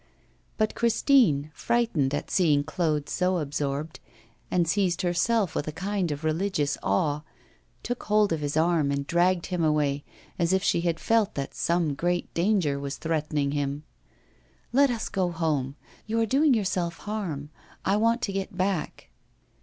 But Christine, frightened at seeing Claude so absorbed, and seized herself with a kind of religious awe, took hold of his arm and dragged him away, as if she had felt that some great danger was threatening him. 'Let us go home. You are doing yourself harm. I want to get back.